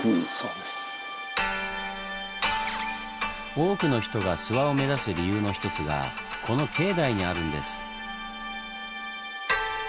多くの人が諏訪を目指す理由の一つがこの境内にあるんです。